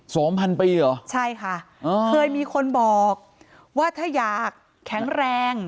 สองพันปีเหรอใช่ค่ะเออเคยมีคนบอกว่าถ้าอยากแข็งแรง